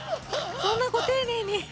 そんなご丁寧に。